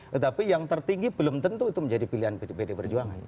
tetapi yang tertinggi belum tentu itu menjadi pilihan pd perjuangan